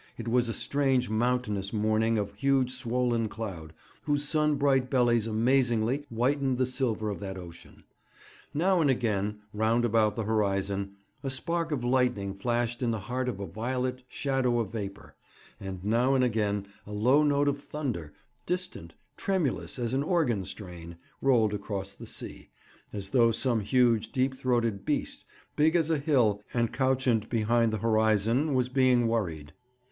It was a strange, mountainous morning of huge swollen cloud, whose sun bright bellies amazingly whitened the silver of that ocean. Now and again, round about the horizon, a spark of lightning flashed in the heart of a violet shadow of vapour, and now and again a low note of thunder, distant, tremulous as an organ strain, rolled across the sea, as though some huge, deep throated beast, big as a hill, and couchant behind the horizon, was being worried.